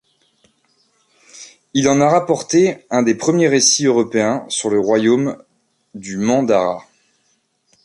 Il en a rapporté un des premiers récits européens sur le royaume du Mandara.